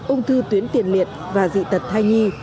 ung thư tuyến tiền liệt và dị tật thai nhi